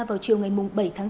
vào chiều ngày bảy tháng bốn